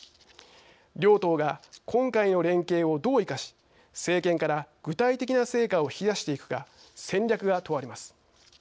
両党が今回の連携をどう生かし政権から具体的な成果を引き出していくか戦略が問われます。